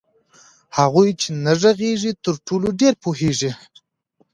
هغوئ چي نه ږغيږي ترټولو ډير پوهيږي